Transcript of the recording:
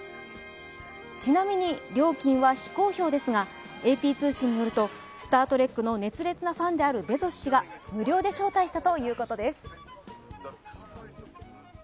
ちなみに料金は非公表ですがＡＰ通信によると「スター・トレック」の熱烈なファンであるベゾス氏が無料で招待したということです。